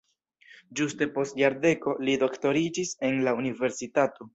Ĝuste post jardeko li doktoriĝis en la universitato.